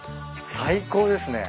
最高ですね。